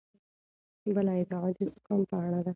بله ادعا د زکام په اړه ده.